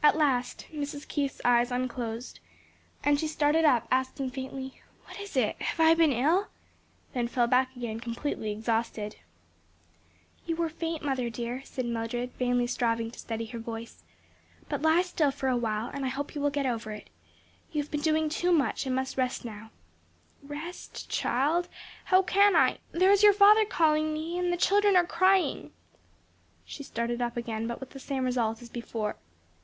At last Mrs. Keith's eyes unclosed and she started up asking faintly "What is it? have I been ill?" then fell back again completely exhausted. "You were faint, mother dear," said Mildred, vainly striving to steady her voice, "but lie still for a while and I hope you will get over it. You have been doing too much and must rest now." "Rest, child! how can I? There is your father calling me. And the children are crying." She started up again but with the same result as before.